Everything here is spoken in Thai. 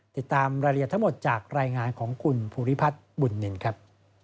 ติดตามรายละเอียดทั้งหมดจากรายงานของคุณภูริพัฒน์บุญนินครับ